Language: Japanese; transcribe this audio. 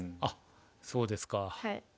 あっそうですか。